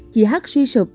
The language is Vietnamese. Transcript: chị h suy sụp